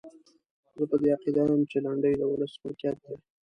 زه په دې عقیده یم چې لنډۍ د ولس ملکیت دی.